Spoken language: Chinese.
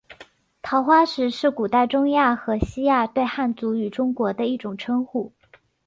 桃花石是古代中亚和西亚对汉族与中国的一种称呼。